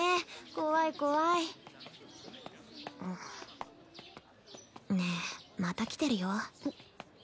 怖い怖いねえまた来てるよ